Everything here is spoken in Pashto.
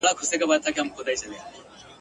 موږ به ولي په دې غم اخته کېدلای ..